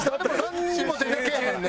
なんにも出てけえへんね。